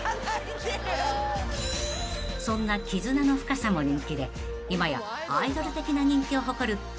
［そんな絆の深さも人気で今やアイドル的な人気を誇るコムドット］